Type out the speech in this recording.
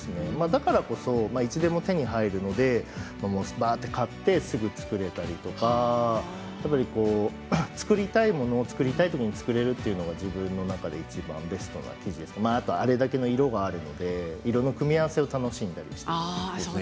だからこそいつでも手に入るのでばあっと買ってすぐに作れたりとか作りたいものを作りたいときに作れるというのが自分の中でいちばんベストあれだけの色もあるので色の組み合わせを楽しんだりしています。